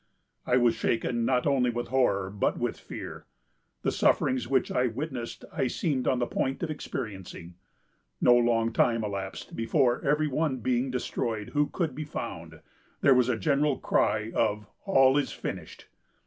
I was shaken not only with horror, but with fear. The sufferings which I witnessed I seemed on the point of experiencing. No long time elapsed before every one being destroyed who could be found, there was a general cry of 'All is finished.